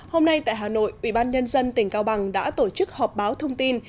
hôm nay tại hà nội ủy ban nhân dân tỉnh cao bằng đã tổ chức họp báo thông tin